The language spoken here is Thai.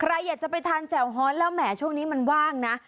ใครอยากจะไปทานแจ่วฮอตแล้วแหมช่วงนี้มันว่างนะ